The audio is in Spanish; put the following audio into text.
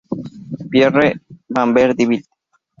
Pierre Vanderbilt.